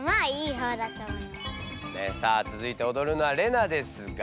さあつづいておどるのはレナですが。